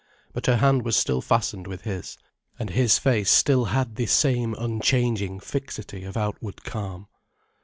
But her hand was still fastened with his, and his face still had the same unchanging fixity of outward calm.